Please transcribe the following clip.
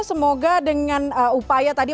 semoga dengan upaya tadi